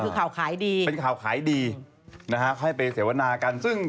ข่าวนี้คือข่าวขายดีนะครับให้ไปเสวนากันซึ่ง